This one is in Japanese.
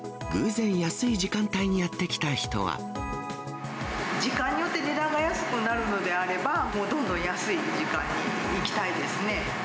この日、時間によって値段が安くなるのであれば、もう、どんどん安い時間に行きたいですね。